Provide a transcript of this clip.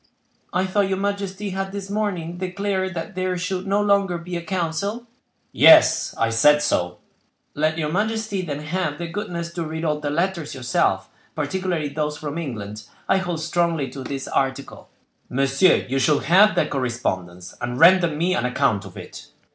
"I thought your majesty had this morning declared that there should no longer be a council?" "Yes, I said so." "Let your majesty then have the goodness to read all the letters yourself, particularly those from England; I hold strongly to this article." "Monsieur, you shall have that correspondence, and render me an account of it."